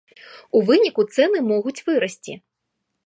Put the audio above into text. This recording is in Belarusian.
У выніку цэны могуць вырасці.